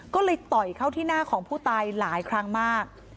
ก็เลยต่อยเข้าที่หน้าของผู้ตายหลายครั้งมาก